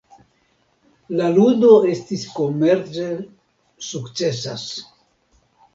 La ludo estis komerce sukcesas.